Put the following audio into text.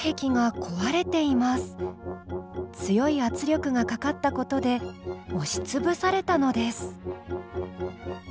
強い圧力がかかったことで押しつぶされたのです。